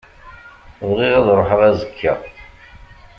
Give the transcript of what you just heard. Bɣiɣ ad ṛuḥeɣ azekka.